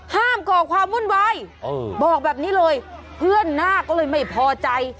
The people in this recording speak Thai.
ก่อความวุ่นวายบอกแบบนี้เลยเพื่อนหน้าก็เลยไม่พอใจ